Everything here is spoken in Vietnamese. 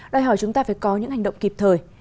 đòi hỏi chúng ta phải có những hành động kịp thời